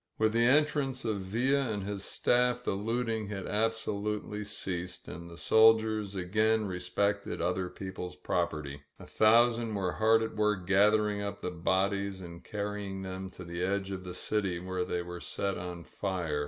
With the en trance of Villa and his staff the looting had absolutely ceased and the soldiers again respected other people's property. A thousand were hard at work gathering up the bodies and carrying them to the edge of the city, where they were set on fire.